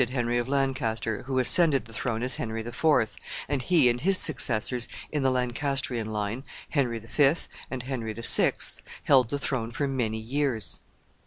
Henry of Lancaster, who ascended the throne as Henry the Fourth, and he and his successors in the Lancastrian line, Henry the Fifth and Henry the Sixth, held the throne for many years.